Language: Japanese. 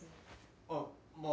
あっまあ。